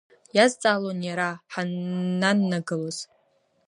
Иазҵаалон иара, ҳаннанагалоз.